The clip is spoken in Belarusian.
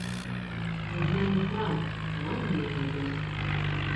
Над намі храм, туманныя нябёсы.